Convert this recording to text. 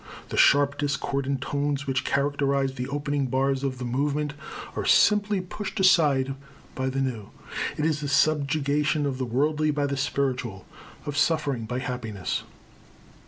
The sharp discordant tones, which characterize the opening bars of the movement, are simply pushed aside by the new. It is the subjugation of the worldly by the spiritual, of suffering by happiness.